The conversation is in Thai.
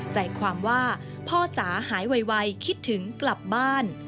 ใจความว่าพ่อจ๋าหายไวคิดถึงกลับบ้าน